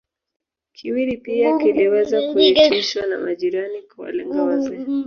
Kiwiri pia kiliweza kuitishwa na majirani kuwalenga wazee